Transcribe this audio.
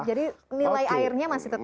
jadi nilai airnya masih tetap suci